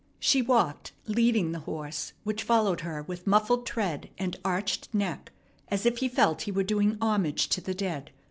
She walked, leading the horse, which followed her with muffled tread and arched neck as if he felt he were doing homage to the dead.